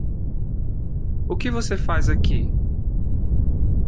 O que você faz aqui?